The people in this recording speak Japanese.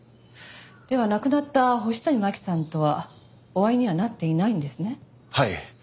では亡くなった星谷真輝さんとはお会いにはなっていないんですね？